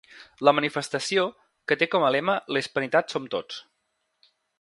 La manifestació, que té com a lema La hispanitat som tots.